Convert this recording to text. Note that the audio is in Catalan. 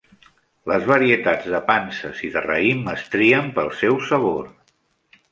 Les varietats de panses i de raïm es trien pel seu sabor.